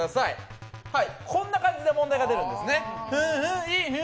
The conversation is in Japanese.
こんな感じで問題が出るんです。